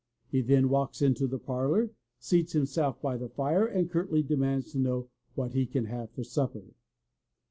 He then walks into the parlor, seats himself by the fire and curtly demands to know what he can have for supper!